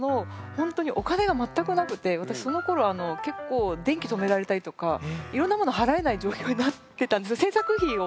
私そのころ結構電気止められたりとかいろんなもの払えない状況になってたんですね。